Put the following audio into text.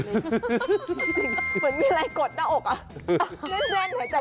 เหมือนมีอะไรกดหน้าออกมา